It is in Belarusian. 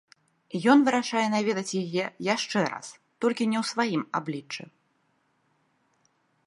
Ён вырашае наведаць яе яшчэ раз, толькі не ў сваім абліччы.